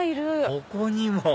ここにも！